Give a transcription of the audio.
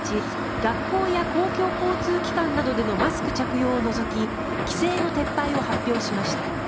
学校や公共交通機関などでのマスク着用を除き規制の撤廃を発表しました。